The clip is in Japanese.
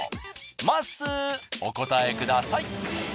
まっすーお答えください。